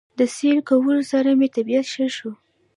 د سېل کولو سره مې طبعيت ښه شو